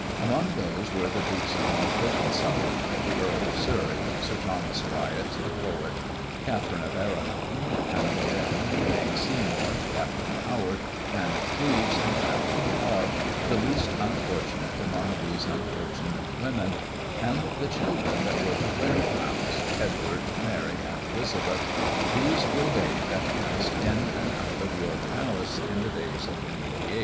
Among these were the Dukes of Norfolk and Suffolk, the Earl of Surrey, Sir Thomas Wyatt the poet, Catharine of Arragon, Anna Boleyn, Jane Seymour, Catharine Howard, Anne of Cleves, and Catharine Parr, the least unfortunate among these unfortunate women; and the children that were to wear crowns Edward, Mary, and Elizabeth these were they that passed in and out of York Palace in the days of Henry VIII.